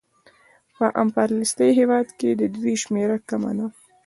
په امپریالیستي هېوادونو کې د دوی شمېره کمه ده